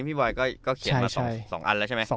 บอยก็เขียนมา๒อันแล้วใช่ไหม